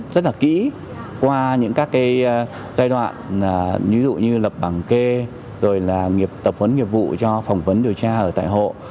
rất là kỹ qua những các giai đoạn như lập bảng kê tập huấn nghiệp vụ cho phỏng vấn điều tra ở tại hộ